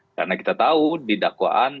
karena kita tahu di dakwaan